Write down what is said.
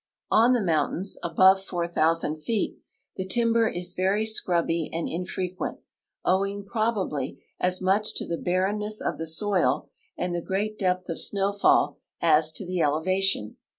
On the mountains, above 4,000 feet, the timber is very scrubby and infrequent, owing, probably, as much to the barrenness of the soil and the great depth of snowfall as to the elevation.